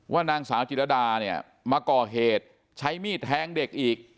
ว่านางสาวจิตรดามาก่อเหตุใช้มีดแท้งเด็กอีก